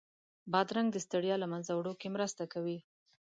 بادرنګ د ستړیا له منځه وړو کې مرسته کوي.